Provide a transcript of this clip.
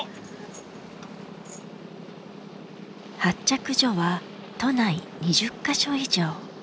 発着所は都内２０か所以上。